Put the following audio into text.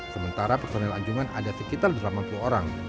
sementara personel anjungan ada sekitar delapan puluh orang